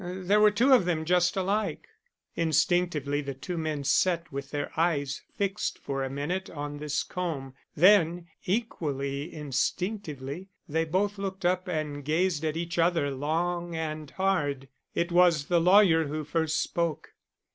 There were two of them just alike." Instinctively the two men sat with their eyes fixed for a minute on this comb, then, equally instinctively, they both looked up and gazed at each other long and hard. It was the lawyer who first spoke.